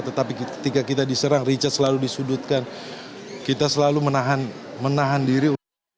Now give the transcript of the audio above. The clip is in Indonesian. tetapi ketika kita diserang richard selalu disudutkan kita selalu menahan diri